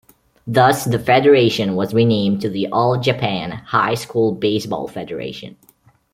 Thus the federation was renamed to the All-Japan High School Baseball Federation.